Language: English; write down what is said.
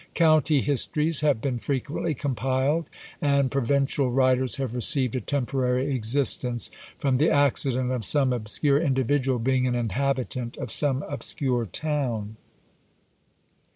County histories have been frequently compiled, and provincial writers have received a temporary existence, from the accident of some obscure individual being an inhabitant of some obscure town.